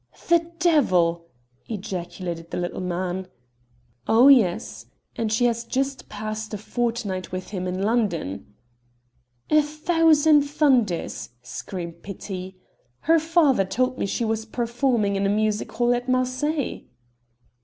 "The devil!" ejaculated the little man. "Oh, yes; and she has just passed a fortnight with him in London." "A thousand thunders!" screamed Petit. "Her father told me she was performing in a music hall at Marseilles."